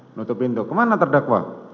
menutup pintu kemana terdakwa